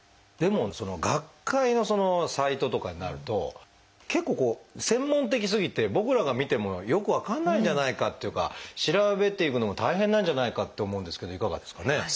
でも学会のサイトとかになると結構こう専門的すぎて僕らが見てもよく分かんないんじゃないかというか調べていくのも大変なんじゃないかと思うんですけどいかがですかね？